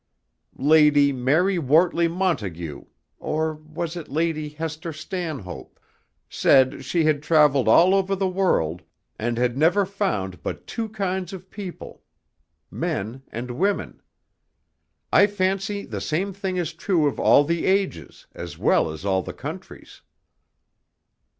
Lady Mary Wortley Montagu or was it Lady Hester Stanhope? said she had traveled all over the world, and had never found but two kinds of people, men and women. I fancy the same thing is true of all the ages as well as all the countries."